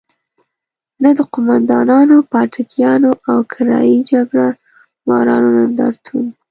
نه د قوماندانانو، پاټکیانو او کرايي جګړه مارانو نندارتون.